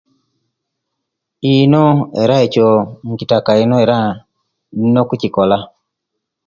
Ino era ekyo inkitaka ino era ekyo inina okukikola